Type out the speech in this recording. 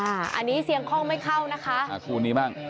อันนี้เสี่ยงคล่องไม่เข้านะคะ